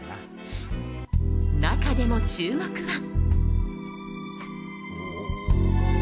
中でも注目は。